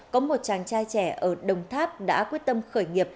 có một chàng trai trẻ ở đồng tháp đã quyết tâm khởi nghiệp